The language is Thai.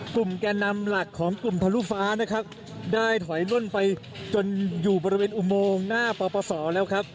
แก่นำหลักของกลุ่มทะลุฟ้านะครับได้ถอยล่นไปจนอยู่บริเวณอุโมงหน้าปปศแล้วครับ